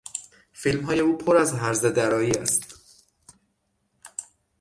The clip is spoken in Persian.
فیلمهای او پر از هرزه درایی است.